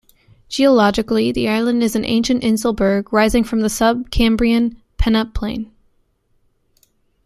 Geologically the island is an ancient inselberg rising from the Sub-Cambrian peneplain.